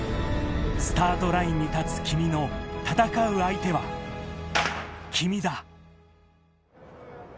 スタートラインに立つ君の戦う相手は、君だ。